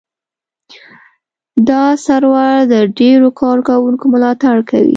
دا سرور د ډېرو کاروونکو ملاتړ کوي.